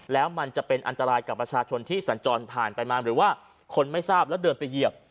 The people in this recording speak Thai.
แล้วมันจะเป็นอันตรายกับประชาชนที่สัญจรผ่านไปมาหรือว่าคนไม่ทราบแล้วเดินไปเหยียบ